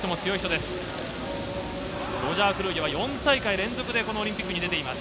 ロジャーは４大会連続でオリンピックに出ています。